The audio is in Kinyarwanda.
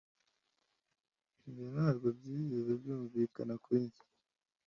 ibyo ntabwo byigeze byumvikana kuri njye